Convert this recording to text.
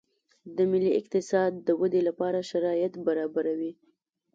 د ملي اقتصاد د ودې لپاره شرایط برابروي